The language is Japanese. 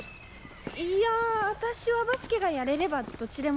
いや私はバスケがやれればどっちでも。